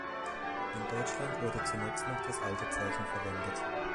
In Deutschland wurde zunächst noch das alte Zeichen verwendet.